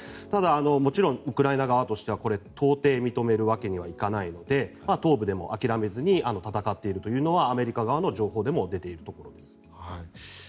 ただ、もちろんウクライナ側としてはこれ、到底認めるわけにはいかないので東部でも諦めずに戦っているというのはアメリカ側の情報でも出ているところです。